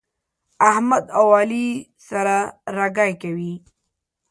احمد او علي سره رګی کوي.